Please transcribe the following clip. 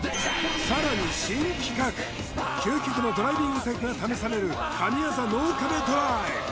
さらに新企画究極のドライビングテクが試される神業脳かべドライブ！